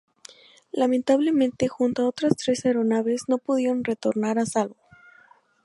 Lamentablemente, junto a otras tres aeronaves, no pudieron retornar a salvo.